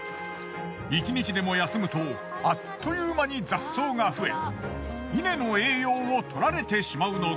１日でも休むとあっというまに雑草が増え稲の栄養をとられてしまうので